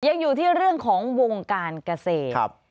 ยังอยู่ที่เรื่องของวงการเกษตร